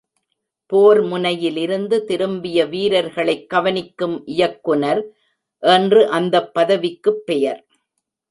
போர் முனையிலிருந்து திரும்பிய வீரர்களைக் கவனிக்கும் இயக்குநர் என்று அந்தப் பதவிக்குப் பெயர்.